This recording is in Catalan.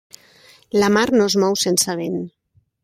La mar no es mou sense vent.